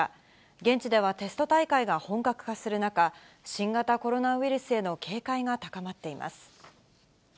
現地ではテスト大会が本格化する中、新型コロナウイルスへの警戒が高まっています。